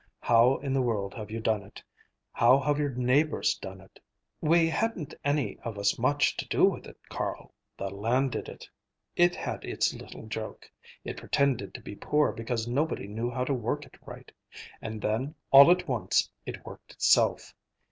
"How in the world have you done it? How have your neighbors done it?" "We hadn't any of us much to do with it, Carl. The land did it. It had its little joke. It pretended to be poor because nobody knew how to work it right; and then, all at once, it worked itself.